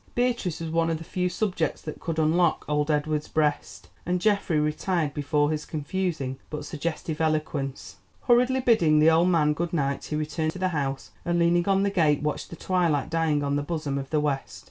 Beatrice was one of the few subjects that could unlock old Edward's breast, and Geoffrey retired before his confusing but suggestive eloquence. Hurriedly bidding the old man good night he returned to the house, and leaning on the gate watched the twilight dying on the bosom of the west.